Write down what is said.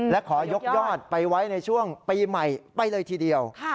และขอยกยอดไปไว้ในช่วงปีใหม่ไปเลยทีเดียว